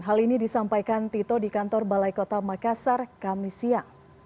hal ini disampaikan tito di kantor balai kota makassar kami siang